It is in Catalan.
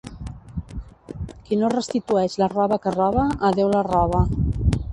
Qui no restitueix la roba que roba, a Déu la roba.